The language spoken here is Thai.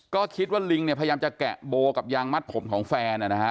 ก็คิดว่าลิงเนี่ยพยายามจะแกะโบกับยางมัดผมของแฟน